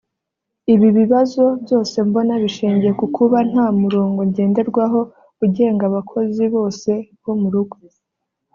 Ibi bibazo byose mbona bishingiye ku kuba nta murongo ngenderwaho ugenga abakozi bose bo mu rugo